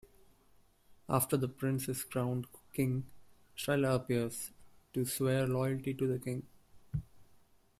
After the Prince is crowned King, Strella appears, to swear loyalty to the King.